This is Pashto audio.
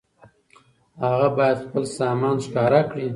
هغه بايد خپل سامان ښکاره کړي.